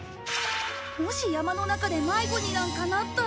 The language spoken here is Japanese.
もし山の中で迷子になんかなったら。